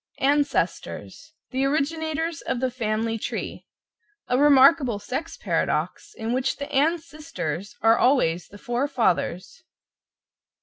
=ANCESTORS= The originators of the Family Tree, a remarkable sex paradox in which the Ann sisters are always the four fathers.